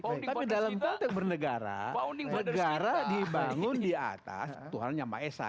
tapi dalam konteks bernegara negara dibangun di atas tuhan yang ma'esah